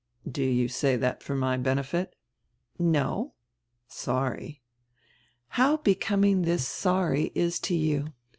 "Do you say diat for my benefit?" "No." "Sorry." "How becoming this 'sorry' is to you!